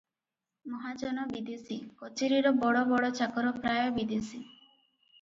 ମହାଜନ ବିଦେଶୀ, କଚେରିର ବଡ଼ ବଡ଼ ଚାକର ପ୍ରାୟ ବିଦେଶୀ ।